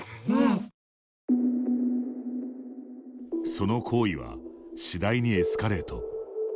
その行為は次第にエスカレート。